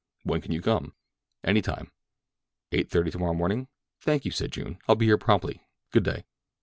"When can you come?" "Any time." "Eight thirty tomorrow morning." "Thank you," said June. "I'll be here promptly. Good day."